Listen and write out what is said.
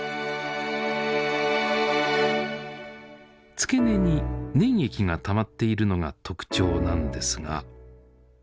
付け根に粘液がたまっているのが特徴なんですが。